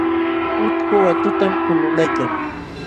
Utku watutam kululaykan.